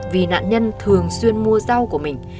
vì nạn nhân thường xuyên mua rau của mình